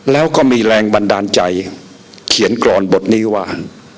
แล้วก็มีแรงบันดาลใจเขียนกรอนบทนี้ว่า